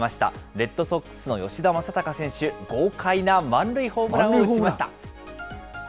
レッドソックスの吉田正尚選手、豪快な満塁ホームランを打ちました。